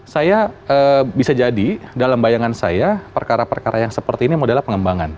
saya bisa jadi dalam bayangan saya perkara perkara yang seperti ini modelnya pengembangan